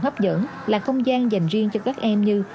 hoạt động hấp dẫn là không gian dành riêng cho các em như